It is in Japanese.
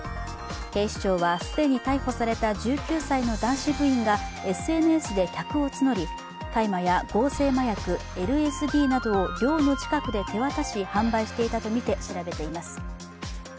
警視庁は既に逮捕された１９歳の男子部員がＳＮＳで客を募り、大麻や合成麻薬ＬＳＤなどを寮の近くで手渡し販売していたとみて調べています。